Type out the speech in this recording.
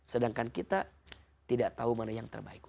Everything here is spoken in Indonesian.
sedangkan kita tidak tahu mana yang terbaik